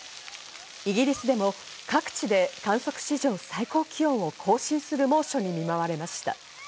イギリスでも各地で観測史上最高気温を更新する猛暑に見舞われました。